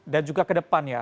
dan juga ke depan ya